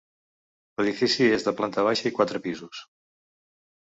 L'edifici és de planta baixa i quatre pisos.